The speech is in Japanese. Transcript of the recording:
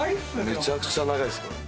めちゃくちゃ長いっすこれ。